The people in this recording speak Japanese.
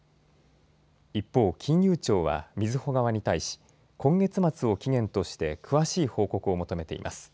一方、金融庁はみずほ側に対し今月末を期限として詳しい報告を求めています。